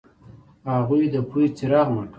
هغوی د پوهې څراغ مړ کړ.